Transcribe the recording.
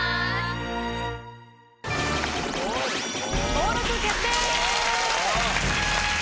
登録決定！